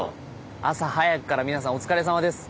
朝早くから皆さんお疲れさまです。